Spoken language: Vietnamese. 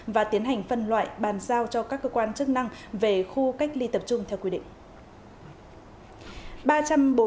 và tiến hành phân loại bàn giao cho các cơ quan chức năng về khu cách ly tập trung theo quy định